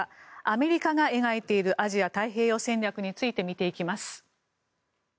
アメリカが描いているアジア太平洋戦略について見ていきます。